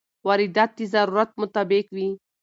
واردات د ضرورت مطابق وي.